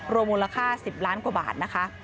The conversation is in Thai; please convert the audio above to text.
มูลค่า๑๐ล้านกว่าบาทนะคะ